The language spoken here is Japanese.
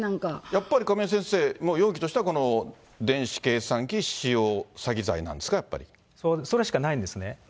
やっぱり亀井先生も容疑としてはこの電子計算機使用詐欺罪なそれしかないんですね。